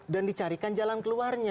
dan dicarikan jalan keluarnya